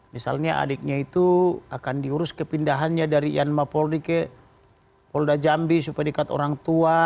misalnya adiknya itu akan diurus kepindahannya dari yanma polri ke polda jambi supaya dekat orang tua